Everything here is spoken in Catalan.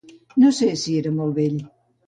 No sé si era molt vell.